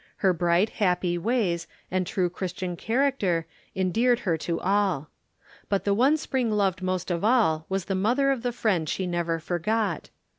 Her bright, happy ways and true Christian character endeared her to all. But the one Spring loved most of all was the mother of the friend she never forgot.